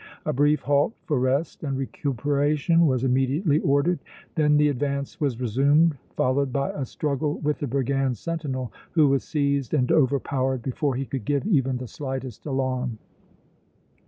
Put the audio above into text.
A brief halt for rest and recuperation was immediately ordered; then the advance was resumed, followed by a struggle with the brigands' sentinel, who was seized and overpowered before he could give even the slightest alarm.